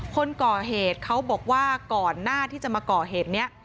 คนก่อเหตุเขาบอกว่าก่อนหน้าที่จะมาก่อเหตุนี้